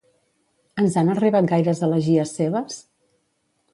Ens han arribat gaires elegies seves?